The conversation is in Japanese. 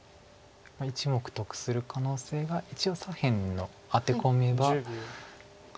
１目得する可能性が一応左辺のアテコミは。